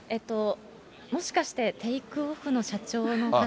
もしかして、テイクオフの社長の方？